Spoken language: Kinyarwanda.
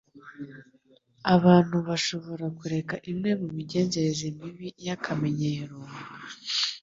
Abantu bashobora kureka imwe mu migenzereze mibi y'-akamenyero,